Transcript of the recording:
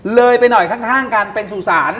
เลยไปหน่อยข้างกันเป็นสู่ศาล